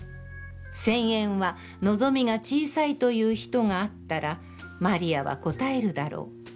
千円は望みが小さいと言う人があったら、魔利は答えるだろう。